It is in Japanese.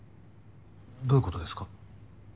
どういうことですか？